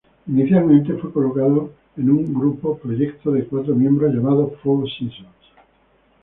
Inicialmente, fue colocado en un grupo proyecto de cuatro miembros llamado "Four Seasons".